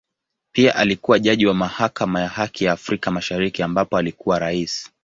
Pia alikua jaji wa Mahakama ya Haki ya Afrika Mashariki ambapo alikuwa Rais.